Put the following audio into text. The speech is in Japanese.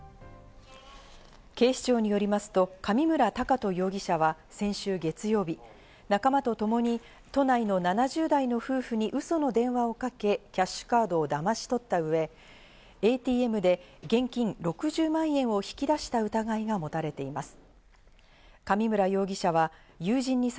警視庁によりますと、上村隆翔容疑者は先週月曜日、仲間とともに都内の７０代の夫婦にウソの電話をかけ、キャッシュカードをだまし取った上、ＡＴＭで現金６０万円を引き出した疑いがもたれています。